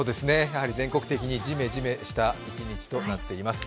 全国的にじめじめした一日になっています。